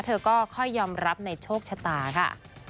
เธอก็ค่อยยอมรับในโชคชะตาค่ะ